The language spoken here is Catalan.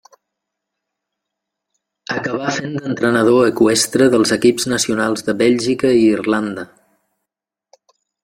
Acabà fent d'entrenador eqüestre dels equips nacionals de Bèlgica i Irlanda.